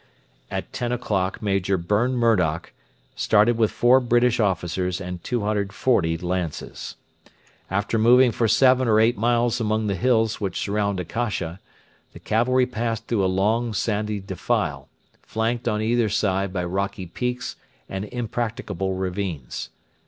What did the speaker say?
At ten o'clock Major Burn Murdoch started with four British officers and 240 lances. After moving for seven or eight miles among the hills which surround Akasha, the cavalry passed through a long, sandy defile, flanked on either side by rocky peaks and impracticable ravines.